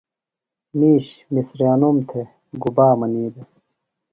مِیش مِسریانوم تھےۡ گُبا منی دےۡ؟